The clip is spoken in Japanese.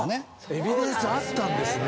エビデンスあったんですね！